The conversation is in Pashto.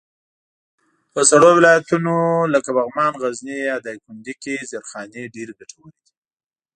په سړو ولایتونو لکه بامیان، غزني، یا دایکنډي کي زېرخانې ډېرې ګټورې دي.